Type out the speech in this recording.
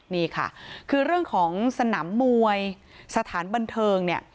นี่ค่ะคือเรื่องของสนามมวยสถานบันเทิงเนี่ย